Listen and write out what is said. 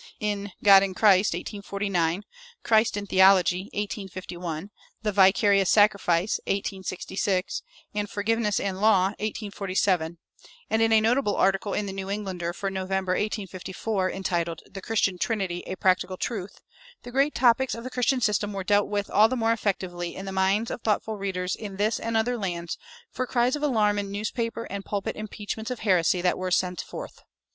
In "God in Christ" (1849), "Christ in Theology" (1851), "The Vicarious Sacrifice" (1866), and "Forgiveness and Law" (1874), and in a notable article in the "New Englander" for November, 1854, entitled "The Christian Trinity a Practical Truth," the great topics of the Christian system were dealt with all the more effectively, in the minds of thoughtful readers in this and other lands, for cries of alarm and newspaper and pulpit impeachments of heresy that were sent forth.